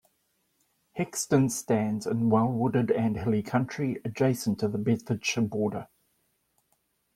Hexton stands in well wooded and hilly country adjacent to the Bedfordshire border.